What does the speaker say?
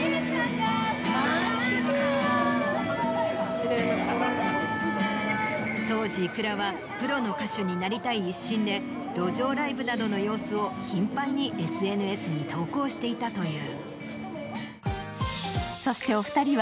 そして当時ｉｋｕｒａはプロの歌手になりたい一心で路上ライブなどの様子を頻繁にＳＮＳに投稿していたという。